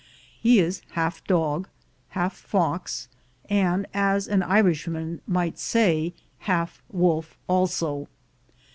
He is half dog, half fox, and, as an Irish man might say, half wolf also.